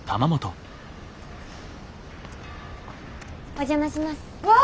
お邪魔します。わ！